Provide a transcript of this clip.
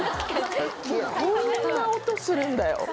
こんな音するんだよ。